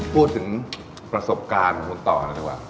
พูดถึงประสบการณ์ของคุณต่อเลยดีกว่า